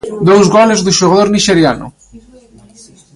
Dous goles do xogador nixeriano.